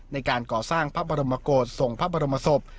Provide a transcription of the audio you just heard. ในการก่อสร้างพระบรมโกศส่งพระบรมศพ